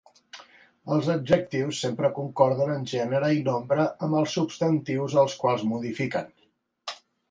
Els adjectius sempre concorden en gènere i nombre amb els substantius als quals modifiquen.